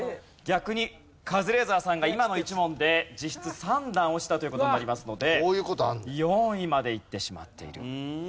逆にカズレーザーさんが今の１問で実質３段落ちたという事になりますので４位までいってしまっている。